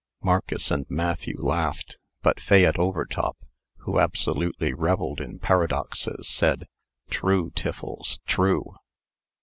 Marcus and Matthew laughed, but Fayette Overtop, who absolutely revelled in paradoxes, said, "True, Tiffles, true!"